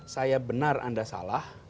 saya benar anda salah